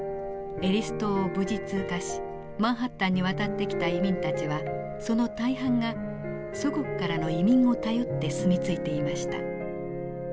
エリス島を無事通過しマンハッタンに渡ってきた移民たちはその大半が祖国からの移民を頼って住み着いていました。